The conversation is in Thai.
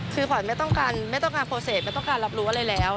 คือขวัญไม่ต้องการโปรเศษไม่ต้องการรับรู้อะไรแล้ว